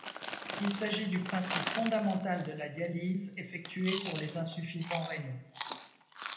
Il s'agit du principe fondamental de la dialyse effectuée sur les insuffisants rénaux.